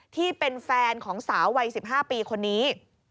ที่เป็นแฟนของสาววัย๑๕ปีคนนี้